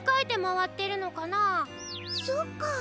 そっか。